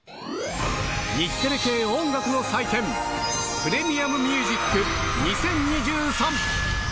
日テレ系音楽の祭典、ＰｒｅｍｉｕｍＭｕｓｉｃ２０２３。